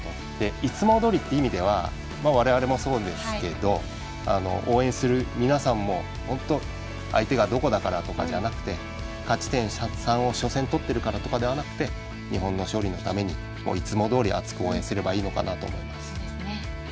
「いつも通り」という意味では我々もそうですけど応援する皆さんも相手がどこだからとかじゃなくて勝ち点３を初戦で取ってるからとかではなくて日本の勝利のためにいつもどおり熱く応援すればいいと思います。